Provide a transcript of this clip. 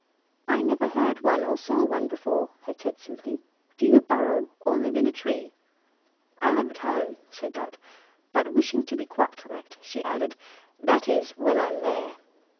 "I never heard of one or saw one before," it said, simply. "Do you burrow, or live in a tree?" "I live at home," said Dot; but, wishing to be quite correct, she added, "that is, when I am there."